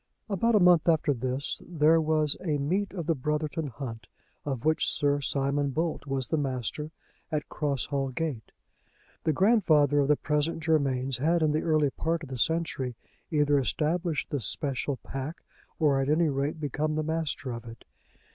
About a month after this there was a meet of the Brotherton Hunt, of which Sir Simon Bolt was the master, at Cross Hall Gate. The grandfather of the present Germains had in the early part of the century either established this special pack, or at any rate become the master of it.